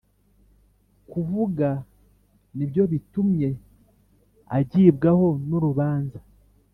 kuvuga ni byo bitumye agibwaho n urubanza rw icyaha